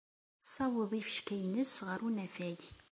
Tessaweḍ ifecka-nnes ɣer unafag.